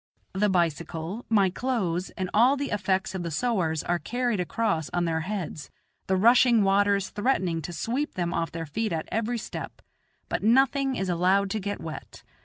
The bicycle, my clothes, and all the effects of the sowars are carried across on their heads, the rushing waters threatening to sweep them off their feet at every step; but nothing is allowed to get wet.